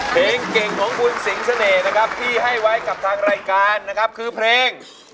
เพลงเก่งของคุณสิงเสน่ห์นะครับที่ให้ไว้กับทางรายการนะครับคือเพลง